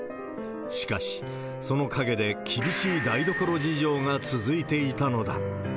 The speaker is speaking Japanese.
しかし、その陰で厳しい台所事情が続いていたのだ。